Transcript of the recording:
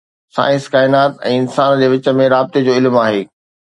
science ڪائنات ۽ انسان جي وچ ۾ رابطي جو علم آهي